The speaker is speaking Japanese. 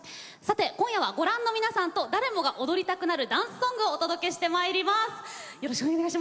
今夜はご覧の皆様と誰もが踊りたくなるダンスソングをお届けします。